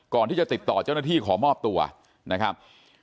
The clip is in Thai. ก่อนที่จะติดต่อเจ้าหน้าที่ขอมอบตัวนะครับ